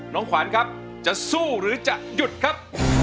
ขวานครับจะสู้หรือจะหยุดครับ